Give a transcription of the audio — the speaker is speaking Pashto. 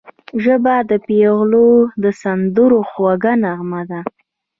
ژبه د پېغلو د سندرو خوږه نغمه ده